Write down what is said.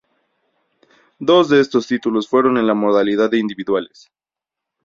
Dos de estos títulos fueron en la modalidad de individuales.